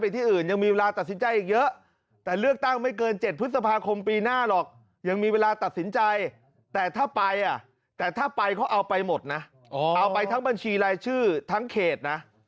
แต่ถ้าไปเขาเอาไปหมดนะเอาไปทั้งบัญชีลายชื่อทั้งเขตนะ